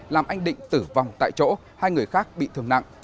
làm anh định tử vong tại chỗ hai người khác bị thương nặng